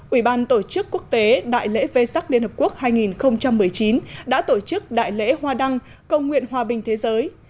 ủy ban tổ chức quốc tế đại lễ vê sắc liên hợp quốc hai nghìn một mươi chín đã tổ chức đại lễ hoa đăng công nguyện hòa bình thế giới